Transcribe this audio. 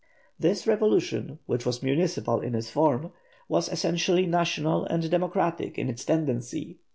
This revolution, which was municipal in its form, was essentially national and democratic in its tendency.